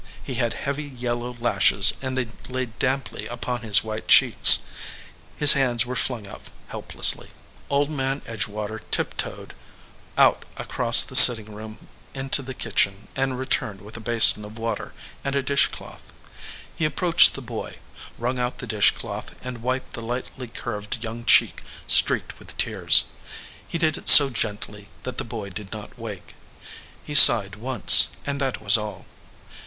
He had heavy yellow lashes and they lay damply upon his white cheeks. His hands were flung out helplessly. Old Man Edgewater tiptoed out across the sit 116 THE FLOWERING BUSH ting room into the kitchen and returned with a basin of water and a dish cloth. He approached the boy, wrung out the dish cloth, and wiped the lightly curved young cheek streaked with tears. He did it so gently that the boy did not wake. He sighed once, and that was all.